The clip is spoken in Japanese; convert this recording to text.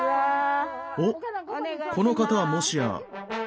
おっこの方はもしや。